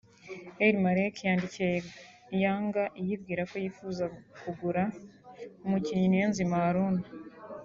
El-Merreikh yandikiye Yanga iyibwira ko yifuza kugura umukinnyi Niyonzima Haruna